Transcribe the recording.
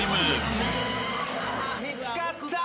見つかった！